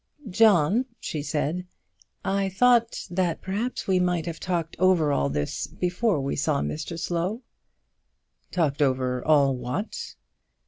"John," she said, "I thought that perhaps we might have talked over all this before we saw Mr Slow." "Talked over all what?"